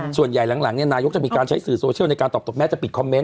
ส่วนใหญ่หลังหลังเนี้ยนายกจะมีการใช้สื่อโซเชียลในการตอบตบแม่จะปิดคอมเม้นต์